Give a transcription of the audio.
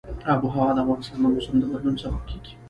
آب وهوا د افغانستان د موسم د بدلون سبب کېږي.